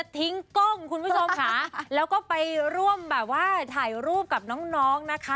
กล้องคุณผู้ชมค่ะแล้วก็ไปร่วมแบบว่าถ่ายรูปกับน้องน้องนะคะ